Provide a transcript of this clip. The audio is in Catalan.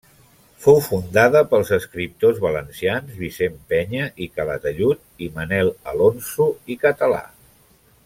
Fou fundada pels escriptors valencians Vicent Penya i Calatayud i Manel Alonso i Català.